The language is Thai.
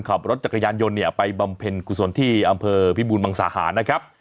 ขับรถจักรยานยนต์เนี่ยไปบำเพ็ญกุศลที่อำเภอพิบูรมังสาหารนะครับ